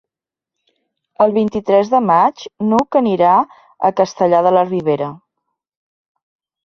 El vint-i-tres de maig n'Hug anirà a Castellar de la Ribera.